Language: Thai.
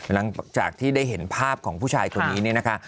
หลังจากที่ได้เห็นภาพของผู้ชายคนนี้เนี่ยนะคะ